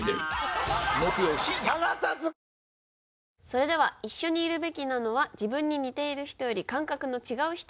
それでは「一緒にいるべきなのは自分に似ている人より感覚の違う人」。